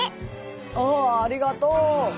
おおありがとう。